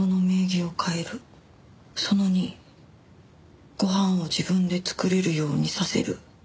「その２ご飯を自分で作れるようにさせる」